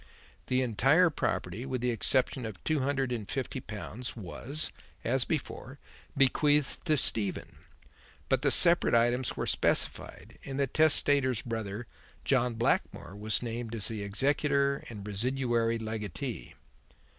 The entire property, with the exception of two hundred and fifty pounds, was, as before, bequeathed to Stephen, but the separate items were specified, and the testator's brother, John Blackmore, was named as the executor and residuary legatee."